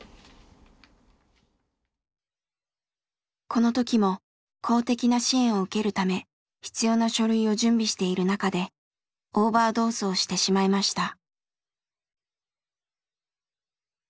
この時も公的な支援を受けるため必要な書類を準備している中でオーバードーズをしてしまいました。